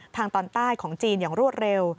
ทางตอนใต้ของจีนอย่างรวดเร็ว